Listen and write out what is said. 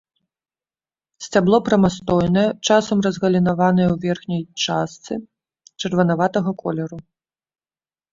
Сцябло прамастойнае, часам разгалінаванае ў верхняй частцы, чырванаватага колеру.